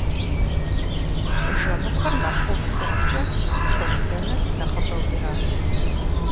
Жэмыкуэр нэхъ ӏув хъухукӏэ хэудэныр нэхъыбэу ират.